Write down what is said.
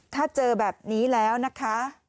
ถ้าเจอแบบนี้แล้วนะคะ